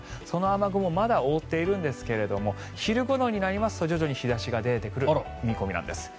その雨雲まだ覆っているんですけど昼ごろになりますと徐々に日差しが出てくる見込みなんです。